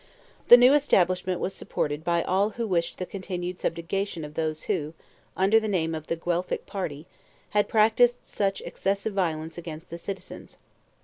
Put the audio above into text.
The new establishment was supported by all who wished the continued subjugation of those who, under the name of the Guelphic party, had practiced such excessive violence against the citizens.